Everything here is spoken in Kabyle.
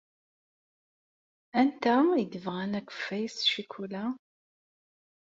Anti ay yebɣan akeffay s ccikula?